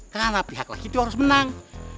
karena pihak laki tuh harus menang